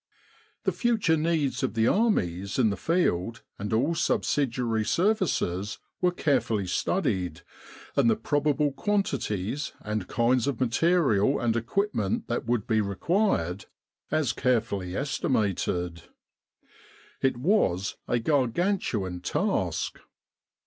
The future needs of the armies in the field and all subsidiary services were carefully studied, and the probable quantities and kinds of material and equipment that would be required as carefully 47 With the R.A.M.C. in Egypt estimated. It was a gargantuan task.